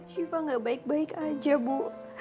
syifa gak baik baik aja bu